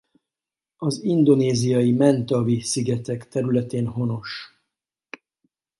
Az indonéziai Mentawi-szigetek területén honos.